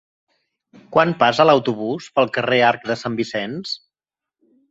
Quan passa l'autobús pel carrer Arc de Sant Vicenç?